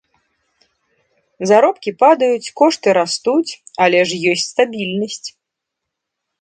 Заробкі падаюць, кошты растуць, але ж ёсць стабільнасць.